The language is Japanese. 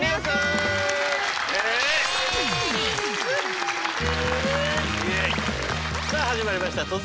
さあ始まりました